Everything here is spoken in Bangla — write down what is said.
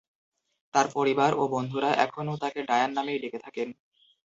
তার পরিবার ও বন্ধুরা এখনও তাকে "ডায়ান" নামেই ডেকে থাকেন।